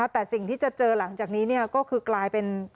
แต่สิ่งที่จะเจอหลังจากนี้ก็คือกลายเป็น